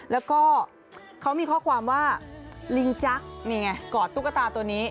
แล้วก็เขามีข้อความว่าลิงจักรนี่ไงกอดตุ๊กตาตัวนี้